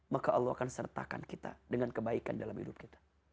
maka allah akan sertakan kita dengan kebaikan dalam hidup kita